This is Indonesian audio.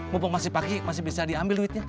mumpung masih pakai masih bisa diambil duitnya